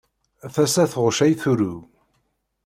Tasa tɣucc ay turew.